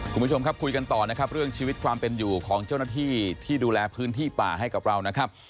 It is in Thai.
คุณผู้ชมครับคุยกันต่อนะครับเรื่องชีวิตความเป็นอยู่ของเจ้าหน้าที่ที่ดูแลพื้นที่ป่าให้กับเรานะครับ